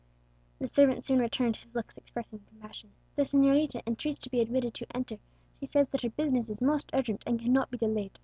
The servant soon returned, his looks expressing compassion. "The señorita entreats to be admitted to enter; she says that her business is most urgent, and cannot be delayed."